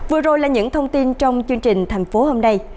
vừa rồi là những thông tin trong chương trình thành phố hôm nay